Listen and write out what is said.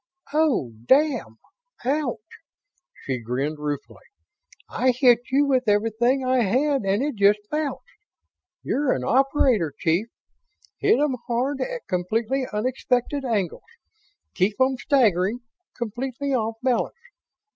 "Oh, damn. Ouch!" She grinned ruefully. "I hit you with everything I had and it just bounced. You're an operator, chief. Hit 'em hard, at completely unexpected angles. Keep 'em staggering, completely off balance.